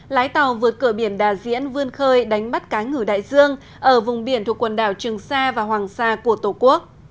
lái tàu vượt cửa biển đà diễn vươn khơi đánh bắt cá ngử đại dương ở vùng biển thuộc quần đảo trường sa và hoàng sa của tổ quốc